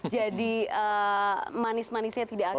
jadi manis manisnya tidak akan lama